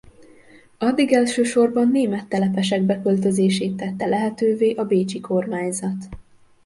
Addig elsősorban német telepesek beköltözését tette lehetővé a bécsi kormányzat.